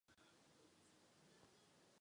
Věc by se dala snadno vyřešit.